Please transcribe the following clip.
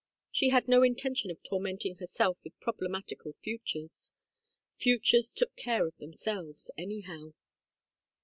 She had no intention of tormenting herself with problematical futures. Futures took care of themselves, anyhow.